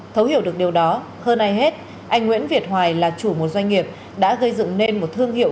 thấu hiểu được điều đó hơn ai hết anh nguyễn việt hoài là chủ một doanh nghiệp đã gây dựng nên một thương hiệu